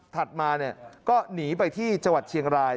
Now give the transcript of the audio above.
มาก็หนีไปที่จังหวัดเชียงราย